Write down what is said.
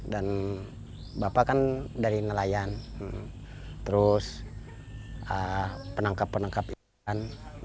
dan bapak kan dari nelayan terus penangkap penangkap ikan